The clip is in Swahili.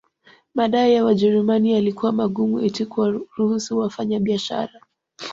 Madai ya Wajerumani yalikuwa magumu eti kuwaruhusu wafanyabiashara